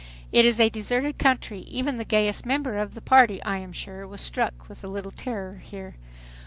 It is a deserted country. Even the gayest member of the party, I am sure, was struck with a little terror here.